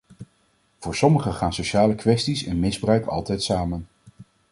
Voor sommigen gaan sociale kwesties en misbruik altijd samen.